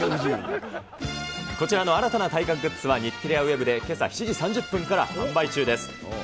こちらの新たな体格グッズは、日テレ屋ｗｅｂでけさ７時３０分から販売中です。